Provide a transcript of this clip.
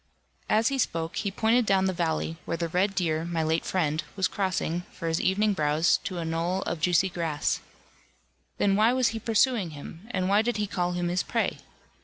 As he spoke he pointed down the valley, where the red deer, my late friend, was crossing, for his evening browse, to a gnoll of juicy grass. Then why was he pursuing him, and why did he call him his prey?